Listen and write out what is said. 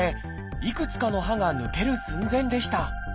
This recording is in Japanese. いくつかの歯が抜ける寸前でした。